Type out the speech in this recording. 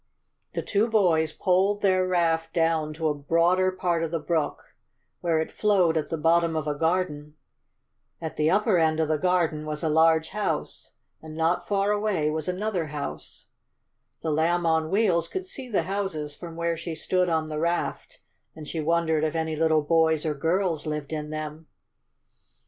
The two boys poled their raft down to a broader part of the brook, where it flowed at the bottom of a garden. At the upper end of the garden was a large house, and not far away was another house. The Lamb on Wheels could see the houses from where she stood on the raft, and she wondered if any little boys or girls lived in them.